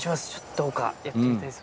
どうかやってみたいです